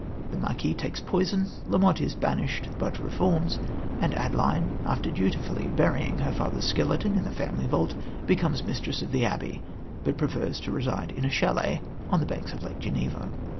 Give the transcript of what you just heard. The marquis takes poison; La Motte is banished but reforms; and Adeline, after dutifully burying her father's skeleton in the family vault, becomes mistress of the abbey, but prefers to reside in a châlet on the banks of Lake Geneva.